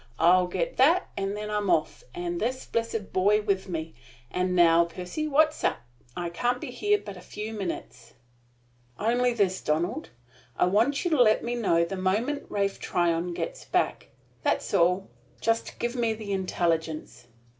I'll get that, and then I'm off, and this blessed boy with me. And now, Percy, what's up? I can't be here but a few minutes." "Only this, Donald: I want you to let me know the moment Ralph Tryon gets back. That's all. Just give me the intelligence."